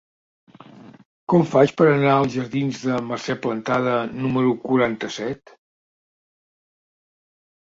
Com ho faig per anar als jardins de Mercè Plantada número quaranta-set?